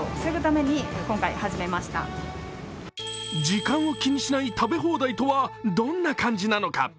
時間を気にしない食べ放題とはどんな感じなのか。